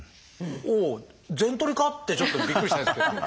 おお全取りか？ってちょっとびっくりしたんですけども。